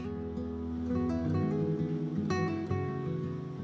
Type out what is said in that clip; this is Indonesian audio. bagaimana keadaan dari seorang imam yang berjalan di atas kain putih